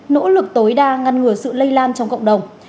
nỗ lực tối đa ngăn ngừa sự lây lan trong cộng đồng